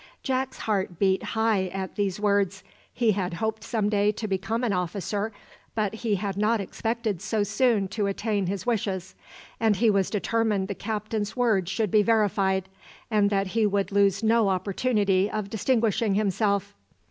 Jack's heart beat high at these words. He had hoped some day to become an officer, but he had not expected so soon to attain his wishes, and he was determined the captain's words should be verified, and that he would lose no opportunity of distinguishing himself.